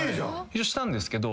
優勝したんですけど。